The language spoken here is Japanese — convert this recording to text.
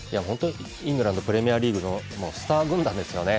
イングランド・プレミアリーグのスター軍団ですよね。